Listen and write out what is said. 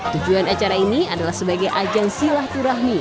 tujuan acara ini adalah sebagai agensi lah turahmi